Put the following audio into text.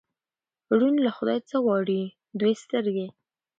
ـ ړوند له خدايه څه غواړي، دوې سترګې.